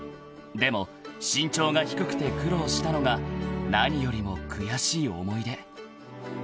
［でも身長が低くて苦労したのが何よりも悔しい思い出］